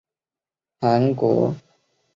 韩国一般以南怡之狱称呼此事。